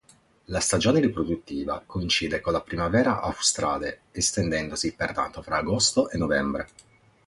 La stagione riproduttiva coincide con la primavera australe, estendendosi pertanto fra agosto e novembre.